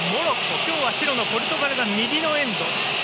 今日は白のポルトガルが右のエンド。